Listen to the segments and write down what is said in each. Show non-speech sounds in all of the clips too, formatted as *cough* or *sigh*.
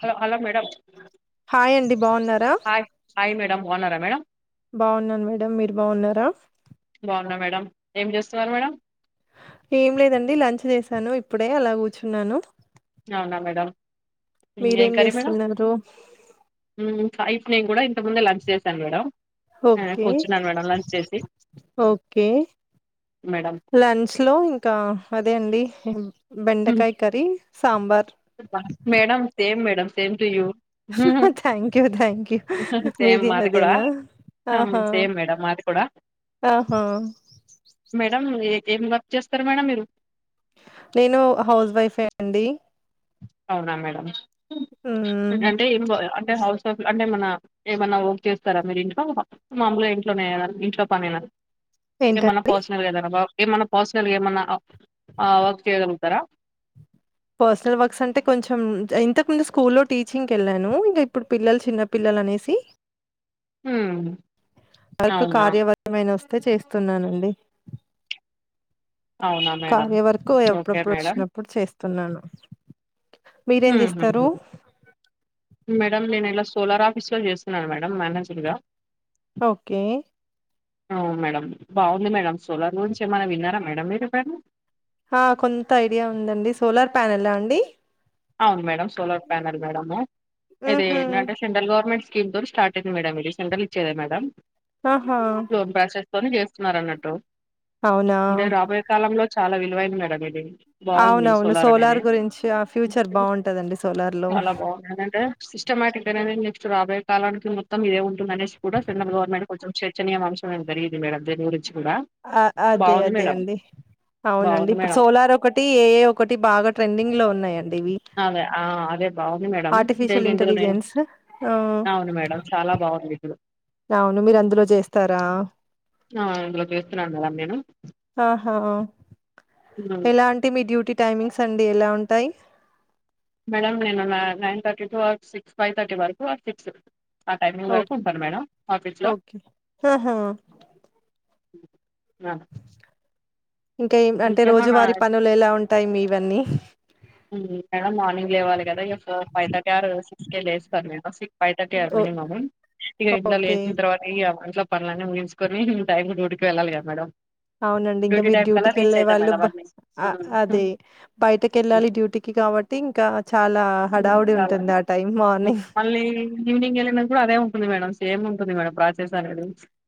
Hello hello madam hi అండి బాగున్నారా hi hi madam బాగున్నారా మేడం బాగున్నాను మేడం మీరు బాగున్నారా బాగున్నా మేడం ఏం చేస్తున్నారు మేడం ఏం లేదండి లంచ్ చేసాను ఇప్పుడే అలా కూర్చున్నాను హలో మేడం ఏం మీరేం కర్రీ మేడం చేస్తున్నారు ఫ్రై నేను కూడా ఇంత ముందే లంచ్ చేశాను మేడం ఓకే కూర్చున్నాను మేడం లంచ్ చేసి ఓకే మేడం లంచ్ లో ఇంకా అదే అండి హ్మ్. బెండకాయ curry sambar madam same madam same to you thank you thank you మీది అదేనా హ ఆహా సేమ్ మేడమ్ మాది కూడా ఆహా మేడం ఏం ఏం వర్క్ చేస్తారు మేడం మీరు నేను హౌస్ వైఫే అండి అవునా మేడం మ్మ్. అంటే అంటే హౌస్ అంటే ఏమన్నా ఏమన్నా వర్క్ చేస్తారా మీరు ఇంట్లో మామూలుగా ఇంట్లోనే ఇంట్లో పని ఏమన్నా ఏంటండి పర్సనల్ ఏదైనా వర్క్ ఏమన్నా పర్సనల్ ఏమన్నా వర్క్ చేయగలుగుతారా పర్సనల్ వర్క్స్ అంటే కొంచెం ఇంతకు ముందు స్కూల్లో టీచింగ్ కి వెళ్లాను ఇంకా ఇప్పుడు పిల్లలు చిన్న పిల్లలు అనేసి హ వర్క్ కార్య వర్క్ వస్తే చేస్తున్నానండి అవునా మేడం కార్య వర్కు ఓకే ఎప్పుడప్పుడు మేడం వచ్చినప్పుడు చేస్త చేస్తున్నాను మీరేం హ్మ్ హ్మ్ చేస్తారు హ్మ్ మేడం నేను ఇలా సోలార్ ఆఫీసులో చేస్తున్నాను మేనేజర్ గా ఓకే అవును మేడం బాగుంది మేడం సోలార్ గురించి ఏమైనా విన్నారా మేడం మీరు ఎప్పుడనా ఆ కొంత ఐడియా ఉందండి సోలార్ ప్యానెల్ ఆ అండి అవును మేడం సోలార్ ప్యానెల్ మేడమ్ ఇది ఉహు ఏంటంటే సెంట్రల్ గవర్నమెంట్ దీంతో స్టార్ట్ అయింది మేడం ఇది సెంట్రల్ ఇచ్చేద మేడం ఆహా పని చేస్తున్నారు అన్నట్టు అవునా అంటే రాబోయే కాలంలో చాలా విలువైంది మేడం ఇది బాగుంది అవునవును సోలార్ అనేది గురించి ఆ ఫ్యూచర్ బాగుంటదండి సోలార్ లో చాలా బాగుంది అని అంటే సిష్టమాటిగ్గనా నక్స్ట్ రాోయ కాలనికి మొత్తం ఇే ఉుంద అనేది కూడాె్రల్ గవర్నమెంట్ కొంచెం చర్చనీయం అం జరిగింది మేడం దని గురించి కూడా ఆ అదే బాగుంది అదే మేడం అండి అవునండి బాగుంది ఇప్పుడు మేడం సోలార్ ఒకటి ఏఏ ఒకటి బాగా ట్రెండింగ్ లో ఉన్నాయండి ఇవి అదే ఆ అదే బాగుంది మేడం సేమ్ ఆర్టిఫిషియల్ ఇందులో నేను ఇంటెలిజెన్స్ ఆ అవును మేడం చాలా బాగుంది ఇప్పుడు అవును మీరు అందులో చేస్తారా ఆ ఇందులో చేస్తున్నాను కదా నేను హ్మ్. ఎలా అంటే మీ డ్యూటీ టైమింగ్స్ అండి ఎలా ఉంటాయి మేడం నేను నైన్ ర్టీ టు ఆ సిక్స్ ఫైవ్థర్టీ వరకు అది ఫిక్స్ ఆ టైమింగ్ ఓ వరకు ఉంటాను మేడం ఆఫీస్ లో ఓకే ఆహా! ఆ ఇంకేం అంటే రోజువారి పనులు ఎలా ఉంటాయి మీవన్నీ మేడం మార్నింగ్ లేవాలి కదా ఫైవ్ థర్టీ ఆర్ సిక్స్ కే లేస్తాను మేడం సిక్స్ ఫై థర్టీ ఓ మినిమము ఇగ ఇంట్ల ఓకే లేసిన తర్వాత ఇగ ఇంట్ల పనులన్నీ ముగించ్కొనీ టైం కు డ్యూటికి వెల్లాలిగా మేడం ఔనండి ఇంక డ్యూటీ మీర్ టైం డ్యూటి కల్లా రీచ్ అవుతా కెళ్ళేవాళ్ళు మేడం బ అన్నీ ఆ హ్మ్. అదీ హ్మ్. బయటకెళ్ళాలి డ్యూటీ కాబట్టి ఇంకా చాలా ఊం హడావుడి చాలా ఉంటుంది ఆ టైం మార్నింగ్ మళ్ళీ ఈవినింగ్ ఎళ్ళినంక గూడ అదే ఉంటుంది మేడం సేము కొద్ది మేడం ప్రాసెస్ అనేది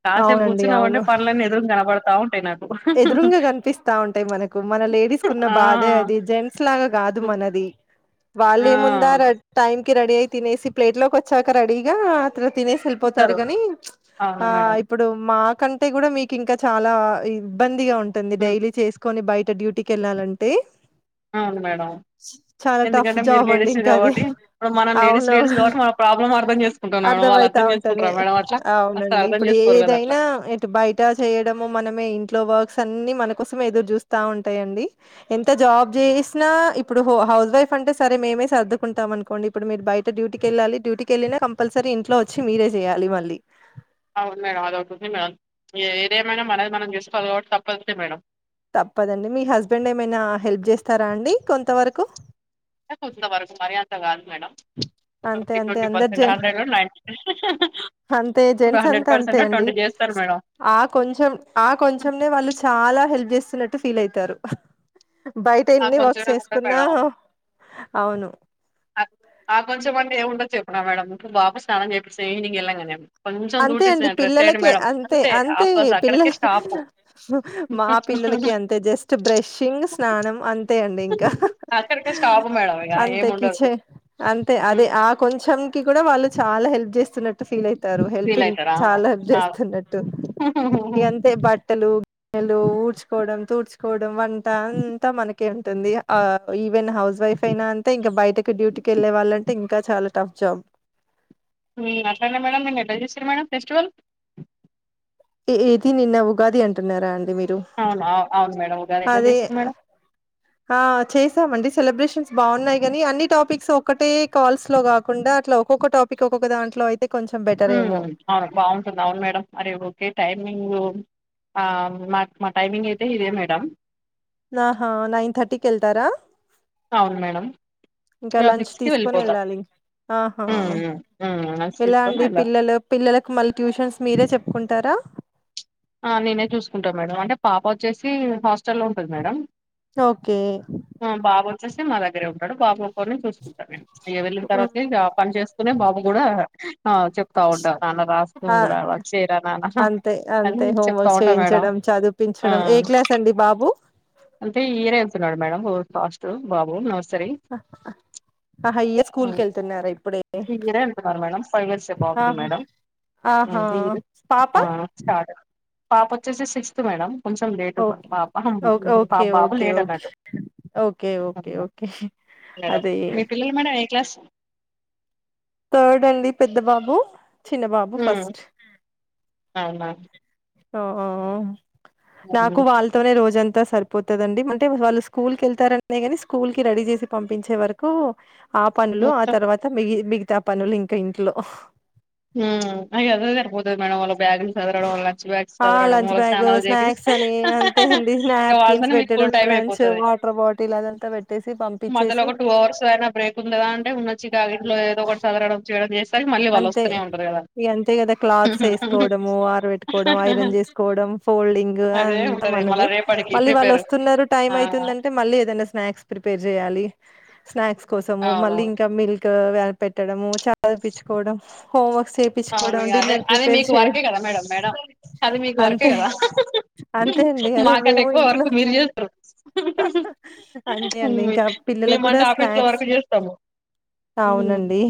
కాసేపు అవునండి కూర్చున్నావంటే పనులన్న ఎదురుంగ కనబతా ఉంటాయి నాకు ఎదురుంగ కనిపిస్తా ఉంటాయ్ మనకు మన లేడీస్కున్న ఆ బాధే అదీ జెంట్స్ లాగా గాదు మనది ఆ వాల్లే ముందార టైమ్ కి రడయ్ తినేసి ప్లేట్లో కొచ్చాక రడీగా ఎదో తినేసి ఎళ్ళిపోతారు ఉంటారు గనీ అవును ఆ మేడం ఇప్పుడు మా కంటే గుడ మీకింక చాలా ఇబ్బందిగా ఉంటుంది హ్మ్. డైలీ చేస్కొని బయ్ టికి డ్యూటికెళ్ళాలంటే ఔను మేడం టఫ్ ఎందుకంటె మీరు జాబ్ అండి లేడీసే ఇంకా అది కాబట్టి ఇప్పుడు మనం లేడీస్ లేడీస్ కాబట్టి మనం ప్రాబ్లం అర్థం చేస్కుంటన్నా అర్థం ఐతా ఉంటుందీ ఔనండి అర్థం ఇప్పుడు చేసుకోరు కదా అట్లా ఏదైనా ఇటు బయట చేయడమూ మనమే ఇంట్లో వర్క్స్ అన్నీ మన కోసమే ఎదురు జూస్తా ఉంటాయండీ ఎంత జాబ్ జేస్నా ఇప్పుడు హౌజ్ వైఫ్ అంటే సరే మేమే సర్దుకుంటా మనుకోండిప్పుడు మీర్ బయట డ్యూటీకెల్లాలి డ్యూటీ కెళ్లినా కంపల్సరీ ఇంట్లో వచ్ మీరే జేయాలి మళ్ళీ ఔను మేడం అదోటుంది మేడం ఏ ఏదేమైనా మనది మనం జెస్కో వాల్గాబట్టి తప్పట్లే మేడం తప్పదండి మీ హస్బెండ్ ఏమైనా హెల్ప్ జేస్తారా అండీ కొంతవరకు కొంతవరకు మరీ అంత గాదు మేడం అంతే ట్వంటీ అంతే ట్వంటీ అందరు జెన్ పర్సెంట్ హండ్రెడ్ లో నై *unintelligible* అంతే జెంట్స్ అంత అంతే అండీ చేస్తారు మేడం ఆ కొంచెం ఆ కొంచెంనే వాళ్ళు చాలా హెల్ప్ జేస్తున్నట్టు ఫీల్ అయితారు బైట ఆ ఎన్ని వర్క్స్ కొంచెమే ఉంటది చేస్కున్నా మేడం ఆ ఆ కొంచెం అండి ఏముండద్ చెప్పునా మేడం బాబు స్నానం జేపిస్త ఈవినింగ్ ఎళ్ళంగానే అంతే అండి పిల్లలకే అంతే అంతే ఆఫ్ కోర్స్ పిల్లల అక్కడికే వు స్టాప్ హూ మా పిల్ పిల్లలకి అంతే జస్ట్ బ్రష్షింగ్ స్నానం అంతే అండి ఇంక హ అక్కడికే హ స్టాప్ మేడం ఇగ అంతె ఏమి ఉండదు కిఛే అంతె అదే ఆ కొంచెం కి కూడ వాళ్ళు చాలా హెల్ప్ జేస్తున్నట్టు ఫీల్ అయ్ తారు ఫీల్ హెల్పింగ్ అయితారా చాలా ఆ జేస్తున్నట్టు ఇగంతే బట్టలూ గిన్నెలూ ఊడ్చుకోవడం తూడ్చ్ వంట అంత మనకే ఉంటుంది ఇగ ఆ ఈ ఇ వెన్ హౌస్ వైఫ్ ఐనా అంతే ఇంక బయటకు డ్యూటికెళ్ళే వాల్లంటే ఇంకా చాలా టఫ్ జాబ్ ఊఁ అట్లనేే మేడం నిన్న ఎట్ల చేసిర్రు మేడం ఫెస్టివల్ ఏ ఏదీ నిన్న ఉగాది అంటున్నారా అన్ ఔను ఔ ఔను మేడం ఉగాది ఎట్లా అదే చేసిరు మేడం ఆ చేసాం అన్ని సెలబ్రేషన్స్ బావున్నాయ్ గానీ అన్ని టాపిక్స్ ఒక్కటే కాల్స్ లో గాకుండా అట్లా ఒక్కొక్క టాపిక్ ఒక్కొక్క దాంట్లో ఐ థింక్ ఊమ్ అవును బావుంటుంది ఔన్ మేడం అరే ఒకే టైం మీరు మా మా టైమింగ్ ఐతే ఇదే మేడం నాహా నైన్ థర్టీ కెళ్తారా ఔన్ మేడం ఇంక ఇగ లంచ్ సిక్స్ కి వెళ్ళిపోతాం తీస్కొనెళ్ళాలీ ఆహా లంచ్ ఎలా తీసుకొని అండీ వెళ్ళాలి పిల్లలు పిల్లలకు మళ్ళి ట్యూషన్స్ మీరే చెప్పుకుంట్ తరా ఆఁ నేనే చూస్కుంట మేడం అంటే పాప వచ్చేసీ హాస్టల్లో ఉంటది మేడం ఓక్కే క్రిష్ణం మా దగ్గరే ఉంటడు బాబు ఒక్కోర్ని చూస్కుంట మేం ఇగ వెళ్ళిన్ ఉమ్ తర్వాతే ఇగా పని చేస్తూనే బాబు గూడా ఆ చెప్తా ఉంటా నాన్ రాస్ ఆ కూడాచ్చరా నానా అంతే అంతే హోంవర్క్ చేయించడం చదిపించడం ఏ క్లాస్ అండి బాబు అంతే హీరే అళ్తున్నాడు మేడం ఫాస్ట్ బాబు నమస్త ఆ ఆహయ్య స్కూల్కి హ్మ్. వెళ్తున్నారా ఇప్పుడే ఈ ఇయరే వెళ్తున్నారు మేడం ఫైవ్ ఇయర్స్ ఏ బాబుకి ఆహా మేడం ఆహా హ్మ్. ఈ ఇయర్ పాప ఆ! స్టార్ట్ పాప వచ్చేసి సిక్స్త్ మేడం కొంచెం లేటు పా ఓకే పా ఓకే బాబ ఓకే లేట్ ఓకే అన్నట్డు okay okay okay okay madam అదే మీ పిల్లలు మేడం ఏ క్లాస్ థర్డ్ అండి పెద్ద బాబు చిన్న బాబు హ్మ్. ఫస్ట్ అవునా ఓ నాకు హ్మ్. వాళ్ళతోనే రోజంతా సరిపోతుందండి అంటే వాళ్ళు స్కూల్ కి వెళ్తారనే ని స్కూల్ కి రెడీ చేసి పంించే వరకు ఆ పనులు ఆ మొత్తం తర్వాత మి మిగతా ఆ పనులు ఇంకా ఇంట్లో హ అే అదదిర్బోదు మేడ అ బ్యాగ్లు దడం లంచ బ్యాగ్స్ ఆ చదరడం లంచ్ మూల బ్యాగ్ స్నాక్స్ అని అంతే అండి ఇవాల్స నాప్కిన్స్ మీ ఫుల్ పెట్టడం టై లంచ్ వాటర్ బాటిల్ అదంతా పెట్టేసి మొద పంపించేసి ఒక టూ అవర్స్ అయినా బ్రేక్ ఉందిదా అంటే ఉన్నొచ్చి కా ఇలో ఏదో ఒకటి చదరడంయడం చేస్త మళ్ళీ వాళ్ళు వస్తూనే ఉండారు కదా ఇ అంతే కదా క్లాత్స్ వేసుకోవడము ఆర పెెట్టుకోవడం ఐరన్ చేసుకోవడం ఫోల్డింగ్ అదే అంత ఉంటది మళ్ళ మనది రేపటికి మళ్ళీ వాళ్ళు ప్రిపేర్ వస్తున్నారు టైమ్ ఆ అవుతుందంటే మళ్ళీ ఏదైనా స్నాక్స్ ప్రిపేర్ చేయాలి స్నాక్స్ కోసము అవును మళ్ళీ ఇంకా మిల్క్ పెట్టడము చదిపించుకోవడం హోమ్వర్క్స్ అవును చేయించుకోవడం ఇగ అదే డిన్నర్ అదే ప్రిపేర్ మీకు వర్కే చేయడం కదా మేడం మేడం అది మీకు వర్కే అంతే కదా అంతే అండి అరే మాకంటే మేము ఎక్కువ ఇంట్లో వర్క్ మీరు చేస్తరు అంతే అండి ఇంకా పిల్లలకి కూడా మేమంటే ఆఫీస్ లో స్నాక్స్ వర్క్ చేస్తాము హ్మ్. అవునండి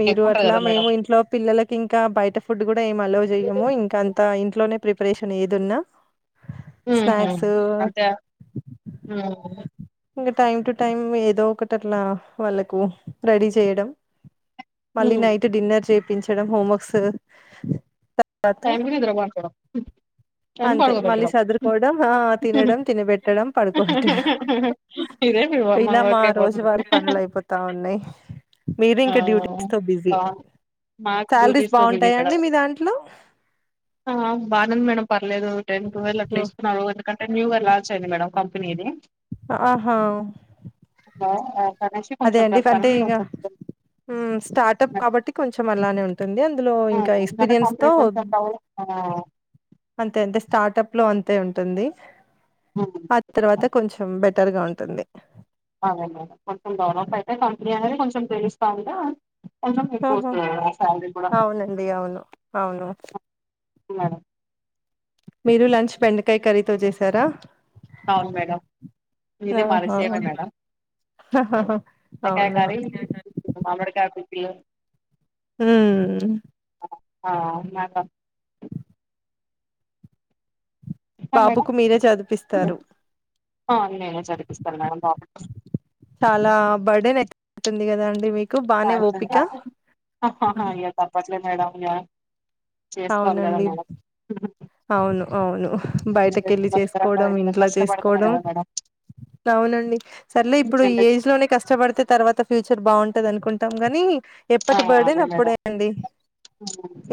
మీరు ఎక్కువ ఉంటది అట్లా కదా మేడం మేము ఇంట్లో పిల్లలకి ఇంకా బయట ఫుడ్ కూడా ఏమి అలవ చెయ్యము ఇంకా అంత ఇంట్లోనే ప్రిపరేషన్ ఏది ఉన్నా స్నాక్స్ ఆ ఇంకా టైమ్ టు టైం ఏదో ఒకటి అట్లా వాళ్ళకు రెడీ చేయడం మళ్ళీ నైట్ డిన్నర్ చేయిించడం హోమ్వర్క్స్ టైంంద మా ఎ అంతే పడుగ మళ్ళీ పెక్కడం చదురుకోవడం ఆ తినడం తినబెట్టడం పడుకోబెట్టడం ఇ ఏ ప ఇలా మా మాక బధ రోజువారి పనులు అయిపోతా ఉన్నాయి మీరు ఇంకా డ్యూటీస్ తో బిజీ మ శాలరీస్ స్ బాగుంటాయా మేడం అండి మీ దాంట్లో ఆ బాగానేంది మేడం పర్లేదు టెన్ ట్వెల్్ అట్లా ఓహ్! ఇస్తున్నారు ఎందుకంటే న్య లాంచ అయింది మ్యాడం కంపెనీది ఆహా ఆ అనేసి అదే కొంచెం అండి అంటే ప్రస్తుతానికి ఇక కొంచెం స్టార్టప్ కాబట్టి కొంచెం అలానే ఉంటుంది అందులో ఇంకా ఎందుకంటే ఎక్స్పీరియన్స్ కంపెనీ తో కొంచెం డెవలప్ ఆ అంతే అే స్టార్ట్ప్ లో అంతే ఉంటుంది ఆ తర్వాత కొంచెం బెటర్ గా ఉంటుంది అదన కొంచెం డెవలప్ అయితే కంపెనీ అనేది కొంచెం తెలుస్తా ఉందా అ ఆహా! మీకుస్త స కూడా అవునండి. అవును. అవును అ మీరు లంచ్ బెండకాయ కర్రీతో చేసారా అవును మేడం ఇదే ఆహా! మరిసేవ మేడం ఎకా అవునా! కరే మామకా కుటిలు ఉమ్ ఆ మా మేడం బాబుకు మీరే చదివిపిస్తారు. నేనే చదిపిస్తాను మేడం బ చాలా బర్డే నెచ్చపోతుంది కద అండి మీకు అ బానే ఓపిక? తాపాట్లే మేడం ఇగ చేసుకోవాలి కదా అవునండి. మడం అవును అవును బయటక వెళ్ళి కష్టపడుతున్నా కదా చేసుకోవడం ఇంత ఇంట్లో కష్టపడుతనే చేసుకోవడం కదా మేడం అవునండి సరలే ఈ ఇప్పుడు జనరేషన్ ఏజ్ లోనే కష్టపడితే తర్వాత ఫ్యూచర్ బాగుంటు పంటది అనుకుంటాం కానీ ఆ ఎప్పటి బర్డేని అదే మేడం అప్పుడేయంండి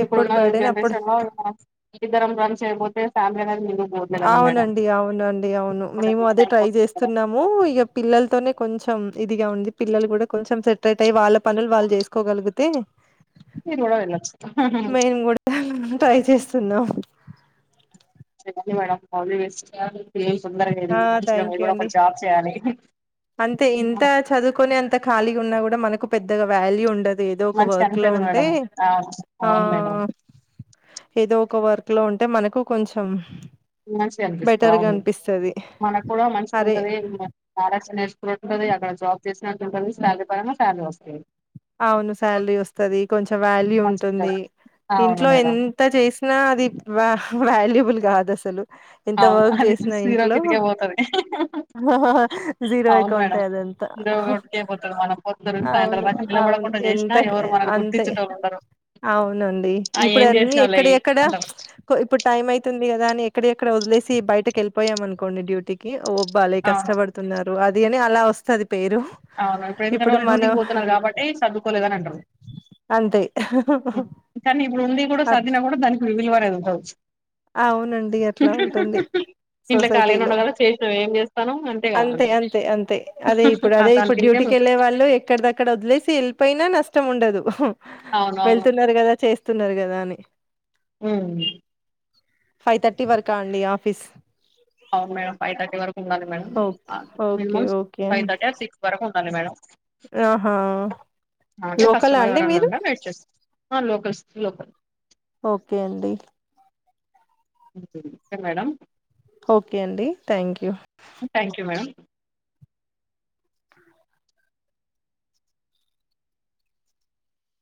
ఇప్పుడున్న జెనరేషన్ లో ఉ రం రన్స్ అయపోతే ఫ్యామిలీ అది మందు పోద్దు కదా మేడం అవునండి నమో ఉయ్యప్ప పిల్లలతోనే కొంచెం ఇదిగా ఉంది పిల్లలు కూడా కొంచెం సెటరేట్ అయ్యి వాళ్ళ పనులు వాళ్ళు చేసుకోగలిగితే మీరు కూడా వెళ్ళొచ్చు మేము కూడా ట్రై చేస్తున్నాం మేడంలీస్ ఏం తొందరగాది ఆ మంచిగా థ్యాంక్ మీరు యూ కూడా ఒక అండి జాబ్ చేయాలి అంతే ఇంత చదువుకొని అంత ఖాళీగా ఉన్నా కూడా మనకు పెద్దగా వాల్యూ ఉండదు ఏదో ఒక మంచిగా వర్క్ లో అనిపియదు ఉంటే మేడం అవును ఆ అవును మేడం ఏదో ఒక వర్క్ లో ఉంటే మనకు కొంచెం మంచి అనిపిస్తుంది బెటర్గా అవును అనిపిస్తది మనకు కూడా మంచిగా అరే ఉంటది ఆరాచన ఇ ఉంటుంది అక్కడ జాబ్ చేసినట్టు ఉంటుంది శాలరీ పరంగా శాలరీ వస్తుంది అవును శాలరీ వస్తది కొంచెం వాల్యూ మంచిగా ఉంటుంది అవును ఇంట్లో మేడం ఎంత చేసి నా అది వాల్యూబుల్ కాదు అసలు ఎంత అవును వర్క్ అది చేసినా చూసి జీరో ఇంట్లో కిందికే పోతది జీరో అయిక్క అవును ఉంటా మేడం అదంతా జీరో ఒకటికే పోతది మనం పొద్దు నుంచి సాయంత్రం అవును దాకా అవును నిలబడకుండా చేసినా ఎంత ఎవరు మనల్ని అంత గుర్తించేటోళ్ళు ఉండరు అవునండి ఆ ఇప్పుడు ఏం అన్నీ చేసినవులే ఎక్కడ ఎక్కడా అంటారు ఇప్పుడు టైం అయితుంది కదా అని ఎక్కడ అక్కడ వదిలేసి బయటకి వెళ్ళిపోయాం అనుకోండి డ్యూటీకి ఓ భలే అవును కష్టపడుతున్నారు అలా వస్థది అవును ఇప్పుడు ఎందుకన్నా వాళ్ళు డ్యూటీకి పోతున్నారు కాబట్టి సర్దుకోలేదని అంటారు అంతే కానీ ఇప్పుడు ఉంది కూడా అట్ సదినా కూడా దానికి విలువరదువుతచ్చు అవునండి అట్లా ఉంటుంది ఇంట్లో ఖాళీగానే సొసైటీలో ఉన్నా కదా చేసినావు ఏం చేస్తాను కదా అంతే అంటారు అంతే అంతే అదే ఇప్పుడు అదే ఇప్పుడు దానికిందుకే డ్యూటీకి వెళ్ళలే వాళ్ళు ఎక్కడ దక్కడ వదిలేసి వెళ్ళిపోయినా నష్టం ఉండదు అవును అవును వెళ్తున్నారు కదా చేస్తున్నారు కదా అని ఉమ్ ఫైవ్ థర్టీ వరకా అండి ఆఫీస్ అవును మేడం ఫైవ్ థర్టీ వరకు ఉండాలి madam okay okay minimum okay five అండి థర్టీ సిక్స్ వరకు ఉండాలి మేడం ఆహా అంటే లోకలా కస్టమర్ అండి ఎవరైన్నా మీరు ఉండ వెయిట్ చేస్త లోకల్స్ లోకల్ ఓకే అండి మేడం ఓకే అండి thank you thank you madam